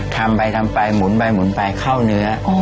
ทำไปทำไปหมุนไปหมุนไปเข้าเนื้อ